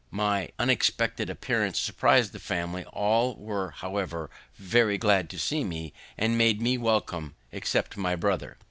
My unexpected appearance surpris'd the family; all were, however, very glad to see me, and made me welcome, except my brother.